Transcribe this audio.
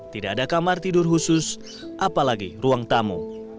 tidak ada kamar tidur khusus apalagi ruang tamu